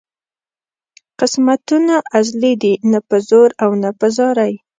قسمتونه ازلي دي نه په زور او نه په زارۍ.